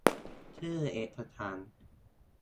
ชื่อเอกสาร